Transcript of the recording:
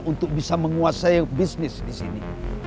untuk bisa menguasai bisnis disini